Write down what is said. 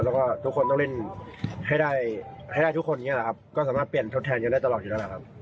แล้วก็ทุกคนต้องเล่นให้ได้ให้ได้ทุกคนอย่างนี้แหละครับก็สามารถเปลี่ยนทดแทนกันได้ตลอดอยู่แล้วแหละครับ